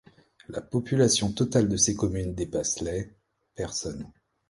La population totale de ces communes dépasse les personnes.